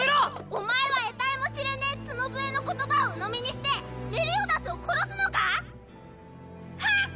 お前は得体も知れねぇ角笛の言葉をうのみにしてメリオダスを殺すのか⁉はんっ！